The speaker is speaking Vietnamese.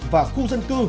và khu dân cư